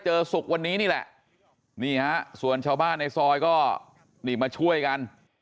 ศุกร์วันนี้นี่แหละนี่ฮะส่วนชาวบ้านในซอยก็นี่มาช่วยกัน